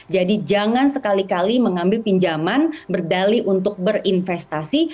jadi jangan sekali kali mengambil pinjaman berdali untuk berinvestasi